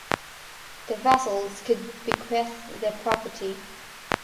The vassals could bequeath their property.